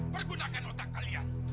pergunakan otak kalian